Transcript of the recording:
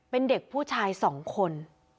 เป็นเด็กผู้ชาย๒คน